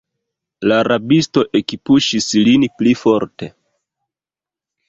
La rabisto ekpuŝis lin pli forte.